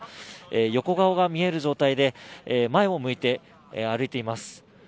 横顔が見える状態で前を向いて歩いています。